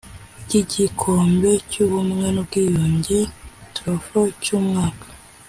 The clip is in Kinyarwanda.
ry igikombe cy ubumwe n ubwiyunge trophy cy umwaka